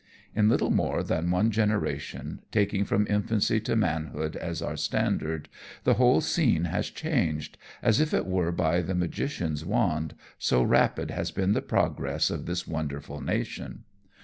In little more than one generation, taking from infancy to manhood as our standard, the whole scene has changed, as if it were by the magician's wand, so rapid has been the progress of this wonderful nation.